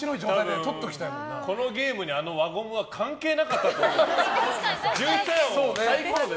このゲームにあの輪ゴムは関係なかったと。